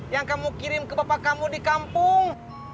yang kamu kirim ke bapak kamu di kampung